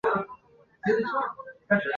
明清北京皇城有两个西南角。